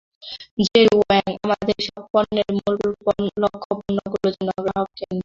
Jerry Wang আমাদের সব পণ্যের মূল লক্ষ্য পণ্যগুলো যেন গ্রাহককেন্দ্রিক হয়।